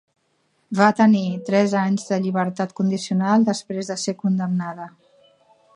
Va tenir tres anys de llibertat condicional després de ser condemnada.